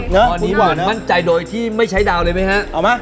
ถ้าวาดนี้มันต้องใช้โดยยังไม่ใช้ดาวเลยมั้ยฮะ